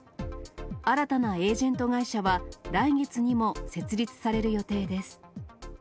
新たなエージェント会社は、来月にも設立される予定です。